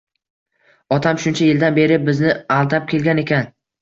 Otam shuncha yildan beri bizni aldab kelgan ekan